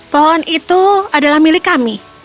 pohon itu adalah milik kami